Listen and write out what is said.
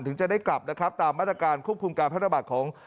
ถึงจะได้กลับนะครับตามมาตรการควบคุมการพัฒนาของ